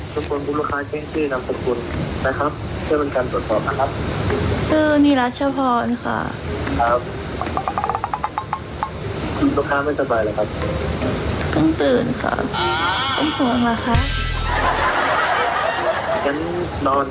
ทุกคุณผู้ลดลอค้าใช่ชื่นนามทุกคุณไหมครับ